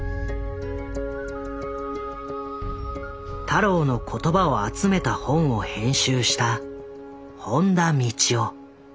太郎の言葉を集めた本を編集した本田道生。